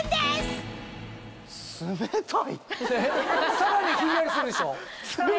さらにひんやりするでしょ？